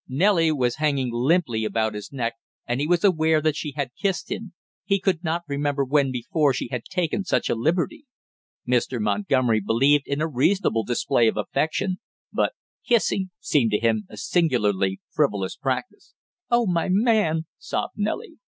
Nellie was hanging limply about his neck and he was aware that she had kissed him; he could not remember when before she had taken such a liberty. Mr. Montgomery believed in a reasonable display of affection, but kissing seemed to him a singularly frivolous practice. "Oh, my man!" sobbed Nellie.